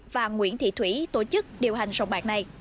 và nguyễn thị thủy tổ chức điều hành sông bạc này